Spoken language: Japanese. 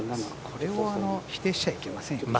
これは否定しちゃいけませんよね。